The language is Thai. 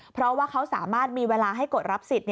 เพราะว่าเขาสามารถมีเวลาให้กดรับสิทธิ